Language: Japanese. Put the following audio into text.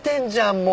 もう。